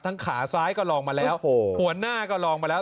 ทั้งขาซ้ายก็ลองมาแล้วหัวหน้าก็ลองมาแล้ว